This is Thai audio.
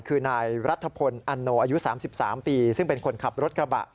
คือนายรัฐพลอันโนอายุ๓๓ปีซึ่งเป็นคนขับรถกระบะ